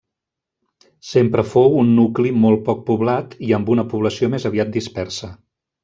Sempre fou un nucli molt poc poblat i amb una població més aviat dispersa.